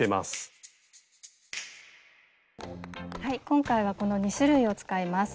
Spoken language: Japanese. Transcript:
今回はこの２種類を使います。